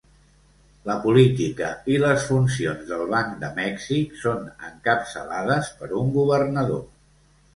La política i les funcions del Banc de Mèxic són encapçalades per un governador.